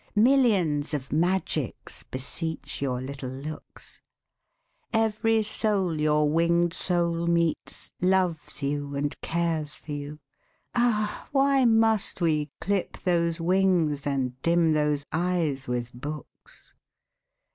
Millions of magics beseech your little looks; Every soul your winged soul meets, loves you and cares for you. Ah! why must we clip those wings and dim those eyes with books?